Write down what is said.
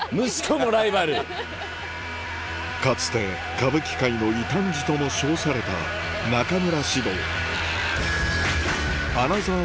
かつて「歌舞伎界の異端児」とも称された中村獅童アナザー